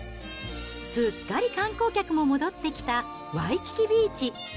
すっかり観光客も戻ってきたワイキキビーチ。